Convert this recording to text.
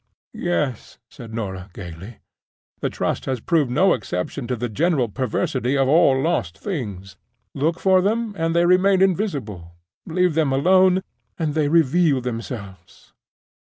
"Yes," said Norah, gayly; "the Trust has proved no exception to the general perversity of all lost things. Look for them, and they remain invisible. Leave them alone, and they reveal themselves!